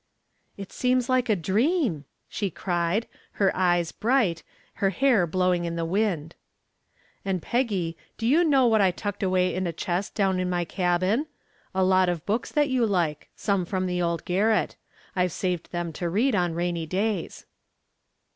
"It seems like a dream," she cried, her eyes, bright, her hair blowing in the wind. "And, Peggy, do you know what I tucked away in a chest down in my cabin? A lot of books that you like some from the old garret. I've saved them to read on rainy days."